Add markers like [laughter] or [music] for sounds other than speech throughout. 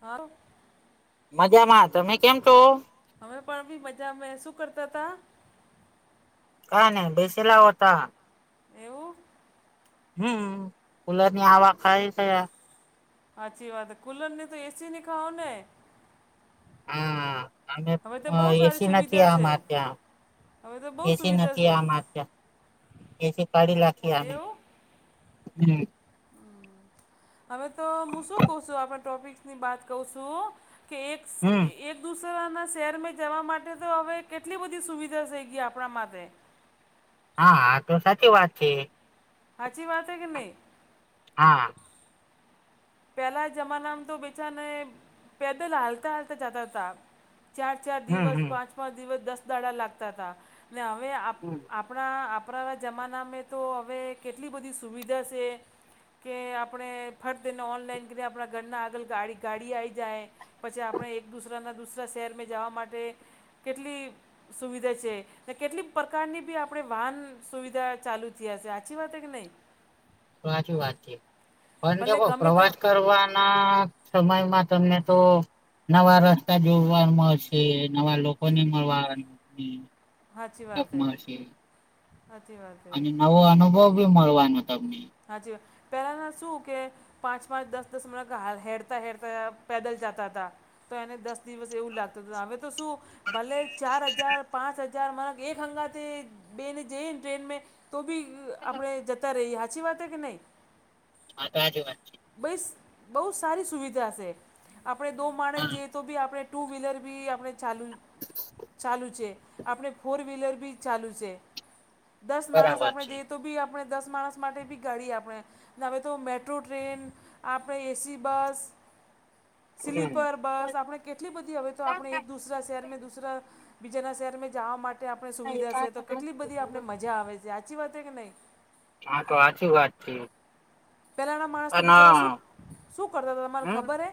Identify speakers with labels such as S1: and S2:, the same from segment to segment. S1: હા.
S2: મજામાં તમે કેમ છો?
S1: અમે પણ બી મજામેં સૂ કરતા તા?
S2: કઈ નહી બેસેલા હોતા.
S1: એવું?
S2: હમ, કુલર ની હવા ખાયે સીએ.
S1: હાચી વાત કુલર ને તો એ સી ની ખાઓ ને.
S2: હા અને
S1: હવે તો બહુ
S2: એ
S1: સારી
S2: સી નથી
S1: સુવિધા છે
S2: આમાંર ત્યાં.
S1: હવે તો બહુ
S2: એ સી
S1: સુવિધા
S2: નથી
S1: છે
S2: અમર ત્યાં, એ સી કાઢી નાખી અમે. હમ.
S1: હમ હવે તો હું શું કઉ છું આપણા ટોપિક્સની બાત કઉ છું હો. કે એક
S2: હમ
S1: એક દુસરાના શહેરમાં જવા માટે તો હવે કેટલી બધી સુવિધા થઈ ગયા આપણા માટે.
S2: હા આ તો સાચી વાત છે.
S1: હાચી વાત છે કે નહિ?
S2: હા.
S1: પહેલા જમાનામાં તો બેચાને પેદલ હાલતા હાલતા જતા હતા. ચાર ચાર
S2: હમ
S1: દિવસ
S2: હમ
S1: પાંચ પાંચ દિવસ દસ દાડા લાગતા હતા, ને હવે
S2: હમ.
S1: આપણા આપણા જમાનામાં તો હવે કેટલી બધી સુવિધા છે. કે આપણે ફટ દને ઓનલાઈન કરી આપણા ઘરના આગળ ગાડી આઈ જાય. પછી આપણે એક દુસરાના દુસરા શહેરમાં જવા માટે, કેટલી સુવિધા છે. ને કેટલીક પ્રકારની બી આપણે વાહન સુવિધા ચાલુ થયા છે સાચી વાત કે નહી.
S2: સાચી વાત છે, પણ જો
S1: ભલે ગમે તે
S2: પ્રવાસ કરવા ના પ્રમાણ માં તમને તો નવા રસ્તા જોડવા મળશે નવા લોકો ને મળવા
S1: સાાચી વાત હૈ, સાચી વાત હૈ.
S2: આવો અનુભવ બી મળવાનો તમને.
S1: હાજી વાત પહેલાના શું કે પાંચ પાંચ દસ દસ મિનટ હાલ હેરતા હેરતા પેદલ જતા હતા. તો એને દસ દિવસ એવું લાગતું હત હવે તો શું ભલે ચાર હજાર પાંચ હજાર અ મ એક હંગા બેને જઈ ટ્રેન, તો ભી આપણે જતા રહી અચછી વાતે કે નઈ.
S2: હા તો આ જો વાત છે.
S1: બ બહુ સારી સુવિધા છે, આપણે દો માણસ
S2: હા
S1: જે તો બી આપણે ટુ વ્હીલર બી આપણે ચાલુ ચાલુ છે. આપણે ફોર વ્હીલર બી ચાલુ છે, દસ માણસ
S2: બરાબર
S1: આપણે
S2: છે
S1: જઈએ તો બી આપણે દસ માણસ માટે બી ગાડી આપણે, હવે તો મેટ્રો ટ્રેન આપણે એસી બસ.
S2: [inaudible]
S1: સ્લીપર બસ આપણે કેટલી બધી હવે તો આપણે એક દુસરા શહેર દુસરા, બીજાના શહેર જવા માટે આપણે સુવિધા છે, તો કેટલી બધી આપણે મજા આવે છે, સાચી વાત છે કે નહીં.
S2: હા તો વાચી વાત છે.
S1: પહેલાંના માણસ તો
S2: પણ
S1: બિચારા શું શું કરતા હતા તમાને
S2: હમ
S1: ખબર હ?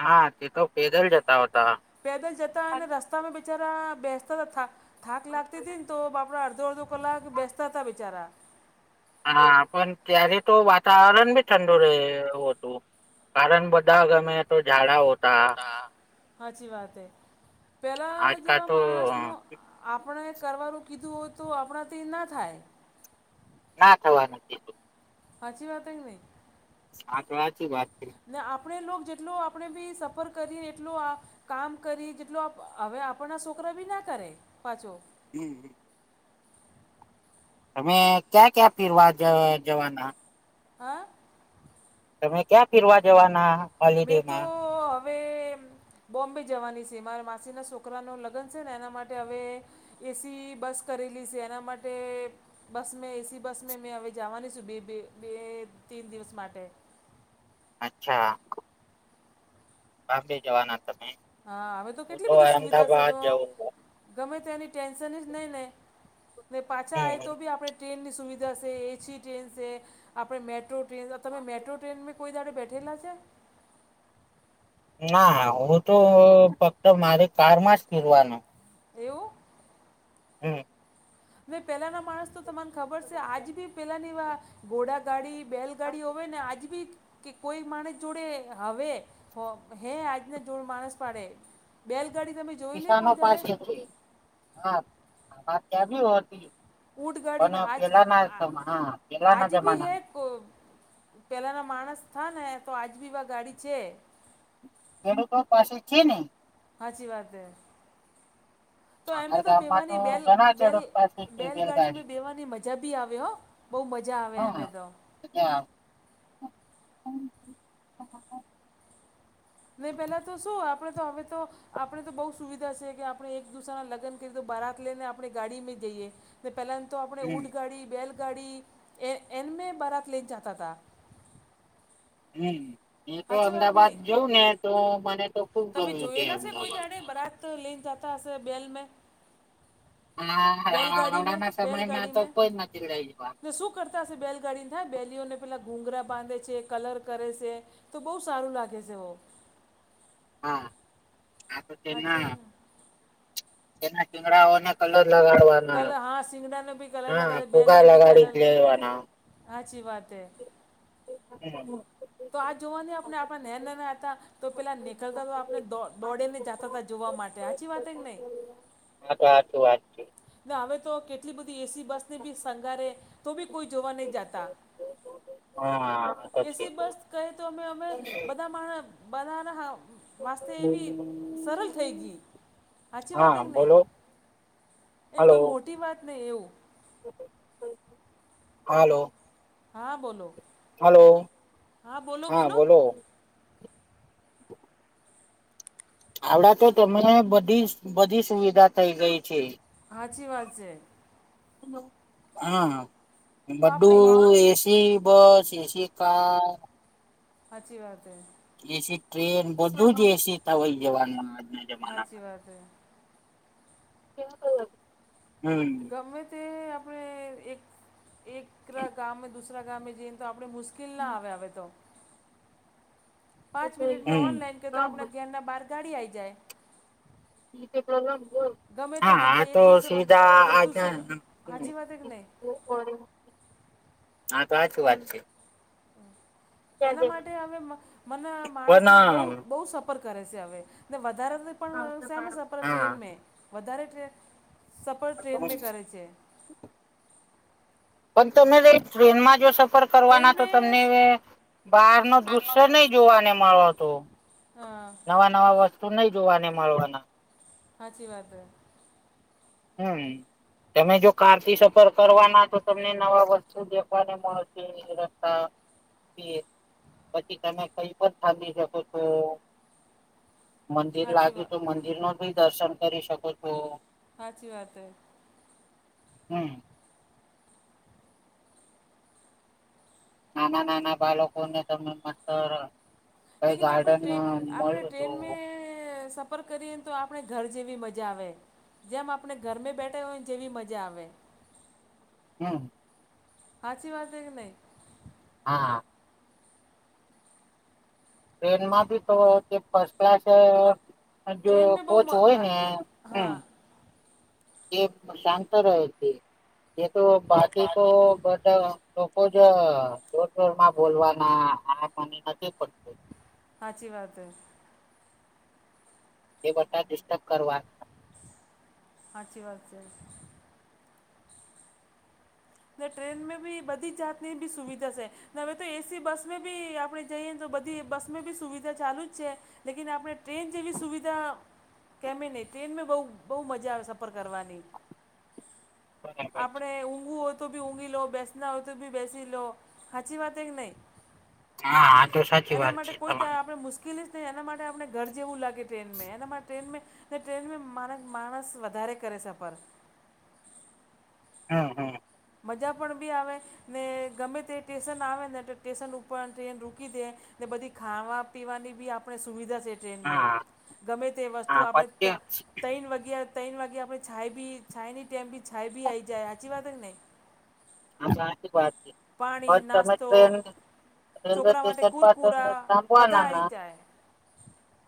S2: હા તે તો પેદલ જતા હોતા.
S1: પેદલ જતા અને રસ્તામાં બેચારા બેસતા હતા. થાક લાગતી હતી ને તો બાપડા અડધો-અડધો કલાક બેસતા હતા બિચારા.
S2: હા પણ ત્યારે તો વાતાવરણ બી ઠંડુ રહે હતું. કારણ બધા ગમે તો ઝાડા ઓ
S1: હોતા હાચી વાત એ પેલા
S2: આજકાલ
S1: જેવા
S2: તો
S1: માણસ નું આપણે કરવાનું કીધું હોય તો આપડાથી ના થાય.
S2: ના થવા નથી
S1: હાચી વાત એ કે નહી
S2: હા તો હાચી વાત છે
S1: ને આપણે લો જેટલો આપણે બી સફર કરીએ એટલો આ કામ કરી જેટલો હવે આપણના છોકરા બી ના કરે પાછો
S2: હમ તમે ક્યાં-ક્યાં ફીરવા જ જવાના
S1: અ
S2: તમે ક્યાં ફીરવા જવાના?
S1: મેં તો
S2: હોલિડેમાં
S1: હવે બોમ્બે જવાની છે, મારા માસીના છોકરાનું લગન સે ને એના માટે હવે એસી બસ કરેલી છે એના માટે બસ મેં એસી બસ મે મેં હવે જવાની બે બે બે તીન દિવસ માટે
S2: અચ્છા બામ્બે જવાના તમે?
S1: હા હવે તો
S2: હું
S1: કેટલી બધી સુવિધા સે,
S2: અમદાવાદ
S1: તો
S2: જવું છું.
S1: ગમે તેની ટેન્શન જ નહીં ને ને પાછા
S2: હમ
S1: આવે
S2: હમ.
S1: તો બી આપડે ટ્રેનની સુવિધા છે, એસી ટ્રેન છે, આપડે મેટ્રો ટ્રેન તમે મેટ્રો ટ્રેન મે કોઈ દાડે બેઠેલા છે.
S2: ના હું તો ફક્ત મારી કારમાં જ ફીરવાનું
S1: એવું
S2: હમ
S1: મે પેલાના માણસ તો તમાને ખબર છે, આજ બી પેલાનીવા ઘોડા ગાડી બેલગાડી હોવે ને આજ બી કે કોઈ માણસ જોડે હવે હે આજના જોડ માણસ પાડે બેલગાડી તમે જોઈ લે
S2: કીસાનો
S1: કોઈ દાડે
S2: પાસેથી હા અમાર ત્યાં બી હતી
S1: ઊંટ ગાડી
S2: પણ
S1: આજ આ-
S2: પેલાના હા પેલાના
S1: આજ બી
S2: જમાના
S1: હે પેલાના માણસ થા ને તો આજ બીવા ગાડી છે
S2: ખેડૂતો પાસે છે ને
S1: સાચી વાત હે તો એમે
S2: અમારા
S1: તો
S2: ગામમાં
S1: ભેવાની બેલ
S2: ઘણા
S1: બેલ
S2: ખેડૂત પાસે છે
S1: બેલગાડી મેં બેવાની મજા બી આવ હો બહુ મજા આવે અમે તો
S2: તો ક્યાં
S1: ને પેલા તો શું આપડે તો હવે તો આપણે તો બહુ સુવિધા છે કે આપણે એક દુસરાના લગ્ન કરીએ તો બારાક લઈને આપણે ગાડીમાં જઈએ ને પહેલાંને તો આપણે
S2: હમ
S1: ઊંઢ ગાડી બેલગાડી એ એન મે બરાત લઈને જતા હતા
S2: હમ મેં તો
S1: સાચી વાત
S2: અમદાવાદ
S1: નહીં
S2: જઉં ને તો મને તો ખુબ
S1: તમે
S2: ગમ્યું છે
S1: જોયેલા શે કોઈ
S2: અમદાવાદ
S1: જાણે બરાત લઈને જતા હશે બેલ મે
S2: આ-
S1: બેલગાડી મે
S2: આવડાના
S1: બેલગાડી
S2: સમયમાં તો કોઈ નથી લઈ જવાનું
S1: મે સુખ કરતા હશે બેલગાડીને થાય બેલીઓને પેલા ઘૂઘરા બાંધે છે કલર કરે છે તો બહુ સારું લાગે છે
S2: હા આ તો
S1: સાચી
S2: તેના
S1: વાત ને
S2: એના ચીંગડાઓને કલર લગાડવા
S1: કલર હા સિંગડાને ભી કલર લગાવ
S2: ફુગા
S1: બેલને ભી
S2: લગાડી જ
S1: કલર
S2: લેવાના
S1: હાચી વાત હૈ
S2: [unintelligible]
S1: તો આ જોવાની આપણે આપણા નાના હતા તો પેલા નીકળતા તો આપને દોડે ને જતા હતા જોવા માટે હાચી વાત હે કે નય.
S2: હા તો હાચું વાત. છે
S1: ને અવે તો કેટલી બધી એસી બસને બી શંગારે તો બી કોઈ જોવા નય જાતા.
S2: હા હા આ તો છે.
S1: એ તો અમે અમે બધા મા બનાવા ના વાસ્તે એવી સરળ થઈ ગઈ હાચી વાત
S2: હા
S1: કે નય.
S2: બોલો
S1: એવી
S2: હલો
S1: કોઈ મોટી વાત નય એવું.
S2: હાલો.
S1: હા બોલો.
S2: હલો હા બોલો. આવડા તો તમને બધી બધી સુવિધા થઈ ગઈ છે.
S1: હાચી વાત છે.
S2: હા
S1: તો આપણે એક
S2: બધું એસી બસ એસી કાર
S1: હાચી વાત હૈ.
S2: એસી ટ્રેન બધું જ એસી થવાય જવાનું. જમાનામાં
S1: હાચી વાત હે.
S2: હમમ.
S1: અમને તે આપણે એક એક ગામ દુસરા ગામ જય તો આપણે મુશ્કેલ ના આવે હવે તો. પાંચ મિનીટમાં
S2: હમ
S1: ઓનલાઇન કે તો આપણા ઘેરના બાર ગાડી આવી જાય. ગમે તે
S2: હા આ
S1: જગ્યાએ એક
S2: તો
S1: દૂસરા
S2: સુવિધા
S1: એક
S2: આજ
S1: દૂસરા સાચી વાત હે કે નહીં
S2: હા તો હાચી વાત છે.
S1: એના માટે હવે મને માણસ લોકો બો
S2: પણ
S1: બો સફર કરે છે હવે ને વધારે પણ સામે સફર
S2: હા
S1: ટ્રેનમે વધારે ટ્રે સફર ટ્રેનમાં
S2: પણ
S1: કરે છે.
S2: પણ તમે
S1: કે
S2: ટ્રેનમાં તો જો સફર
S1: ટ્રેન
S2: કરવાના તો
S1: મેં
S2: તમને બહાર નો દૃશ્ય નય જોવાને મળતો.
S1: હા.
S2: નવા નવા વસ્તુ નય જોવાને મળવાના.
S1: હાચી વાત હે.
S2: હમમ. તમે જો કાર થી સફર કરવાના તો તમને નવા વસ્તુ દેખવાને મળશે. [unintelligible] રસ્તા થી પછી તમે કઈ પણ [unintelligible] શકો છો. મંદિર
S1: સાચી
S2: લાગ્યું
S1: વાત
S2: તો મંદિર માં ભી દર્શન કરી શકો છો.
S1: હાચી વાત હૈ.
S2: હમમ. નાના નાના બાળકો ને તમને ભણતર
S1: લેકિન આપણે ટ્રેન આપણે
S2: તો
S1: ટ્રેન મે સફ સફર કરીએ ને તો આપણે ઘર જેવી મજા આવે જેમ આપણે ઘરમે બેઠા હોય ને જેવી મજા આવે.
S2: હમમ.
S1: હાચી વાત હે કે નય.
S2: હા. ટ્રેન માં થી તો ફર્સ્ટ ક્લાસ જો
S1: ટ્રેન મેં બહુ
S2: કોચ હોય
S1: હા
S2: ને હમમ
S1: હા
S2: એ શાંત રહે છે નય તો બાકી તો બધા લોકો જ જોર જોર માં બોલવાના આ મને નથી પડતું.
S1: હાચી વાત હૈ.
S2: એ બધા ડિસ્ટર્બ કરવાના.
S1: હાચી વાત છે. ને ટ્રેનમેં બી બધી જાતની બી સુવિધા છે. હવે તો એસી બસ મે બી આપડે જઈએ તો બધી બસમેં બી સુવિધા ચાલુ જ છે. લેકિન આપણે ટ્રેન જેવી સુવિધા કેમે નહીં ટ્રેનમેં બહુ બહુ મજા આવે સફર કરવાની.
S2: [inaudible] છે
S1: આપડે ઊંઘવું હોય તો બી ઊંઘી લો બેસના હોય તો બી બેસી લો હાચી વાતે કે નઈ
S2: હા આ તો સાચી
S1: એના
S2: વાત
S1: માટે
S2: છે
S1: કોઈ [unintelligible]
S2: તમારી
S1: આપણે મુશ્કેલી તે એના માટે આપને ઘર જેવું લાગે ટ્રેન મેં એના માટે ટ્રેન મેં તે ટ્રેનમેં મારગ માણસ વધારે કરે સફર
S2: હમ્મ હમ્મ
S1: મજા પણ બી આવે ને ગમે તે ટેશન આવે ને તો ટેશન ઉપર ટ્રેન રૂકી દે ને બધી ખાવા પીવાની બી આપણે સુવિધા છે. ટ્રેન મે
S2: હા
S1: ગમે તે વસ્તુ
S2: હા
S1: આપણે
S2: પત્ય
S1: તૈન વાગ્યાં તૈન વાગ્યે આપડે છાય બી છાયની ટાઈમ બી છાય બી આવી જાય હાચી વાત કે નહીં.
S2: હા સાચી
S1: પાણી
S2: વાત છે પણ તમે
S1: નાસ્તો
S2: ટ્રેન રેલવે
S1: છોકરા માટે
S2: સ્ટેશન પર
S1: કુરકુરા
S2: તમે
S1: બધા આવી
S2: [unintelligible]
S1: જાય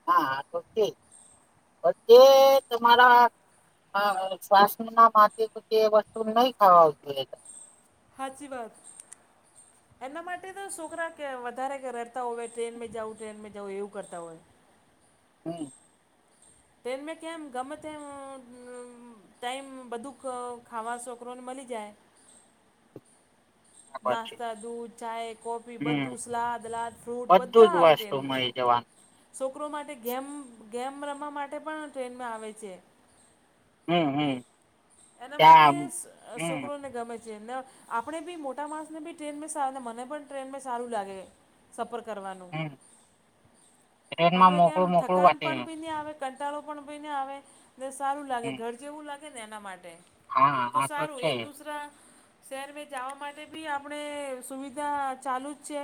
S2: હા તો છે બધે તમારા હ સ્વાસ્થ ના માટે તો તે વસ્તુ નહી ખાવા આવતી
S1: હાચી વાત એના માટે તો છોકરા વધારે રડતા હોય ટ્રેનમેં જાઉં ટ્રેનમેં જાઉ એવું કરતા હોય.
S2: હમ્મ.
S1: ટ્રેન મે કેમ ગમ તઈ [unintelligible] ટાઈમ બધું ખ ખાવા છોકરોને મલી જાય
S2: પછી
S1: નાસ્તા દૂધ ચાય કોફી
S2: હમ
S1: બધું સલાદ લાદ ફ્રૂટ બધા આવે ટ્રેન મેં
S2: જવા
S1: છોકરો માટે ગેમ ગેમ રમવા માટે પણ ટ્રેનમે આવે છે.
S2: હમ્મ હમ્મ
S1: એના માટે અ શ સોકરોને ગમે છે આપડે બી મોટા માણસ ને બી ટ્રેન સાર ને મને પણ ટ્રેન સારું લાગે. સફર કરવાનું
S2: હમ ટ્રેનમાં
S1: આપણે કેમ
S2: મોકળું મોકળું
S1: થકાન
S2: વાતે
S1: પણ બી નહીં આવે કંટાળો પણ ભી આવે ને સારું લાગે
S2: હમ
S1: ઘર જેવું લાગે ને એના માટે
S2: હા
S1: તો
S2: આ
S1: સારું
S2: છે
S1: એક દુસરા શહેર મે જવા માટે બી આપણે સુવિધા ચાલુ જ છે.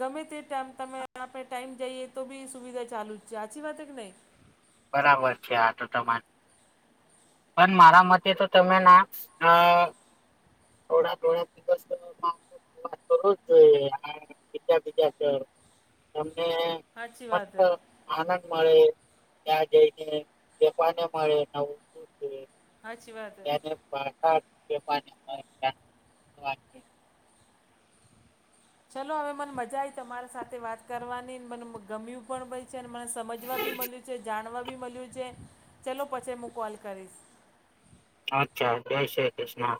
S1: ગમે તે ટાઈમ તમે આપણે ટાઈમ જઈએ તો બી સુવિધા ચાલુ જ છે હાચી વાત કે નઈ.
S2: બરાબર છે આ તો તમાર પણ મારા મતે તો તમે ના અ થોડા થોડા દિવસમાં [unintelligible] બીજા બીજા અમને
S1: સાચી વાત
S2: મસ્ત
S1: હે,
S2: આનંદ મળે ત્યાં જઈને વેપને મળે નવું શીખે
S1: હાચી વાત હે
S2: વાત હાચી છે પાણી [unintelligible]
S1: ચલો હવે મને મજા આઈ તમારી સાથે વાત કરવાની, મને ગમ્યું પણ ભય છે અને મને સમજવા ભી મલ્યું છે જાણવા બી મલ્યુ છે, ચલો પછી હું કોલ કરીશ.
S2: અચ્છા જય શ્રી કૃષ્ણ.